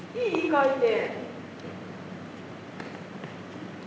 書いて。